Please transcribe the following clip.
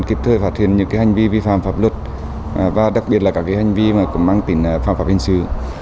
kịp thời phát hiện những hành vi vi phạm pháp luật và đặc biệt là các hành vi cũng mang tính phạm pháp hình sự